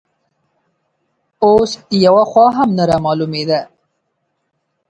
اوس یوه خوا هم نه رامالومېده